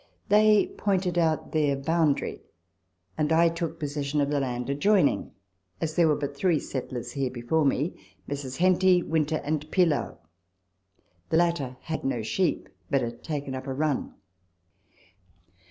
They pointed out their boundary, and I took possession of the land adjoining, as there were but three settlers here before me Messrs. Henty, Winter, and Pilleau. The latter had no sheep, but had taken up a run.